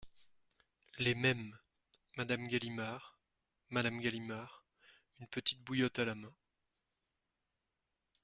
Les Mêmes, Madame Galimard Madame Galimard , une petite bouillotte à la main.